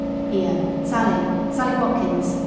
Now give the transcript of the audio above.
"Here, Sally Sally Watkins!